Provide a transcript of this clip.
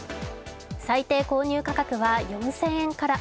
最低購入価格は４０００円から。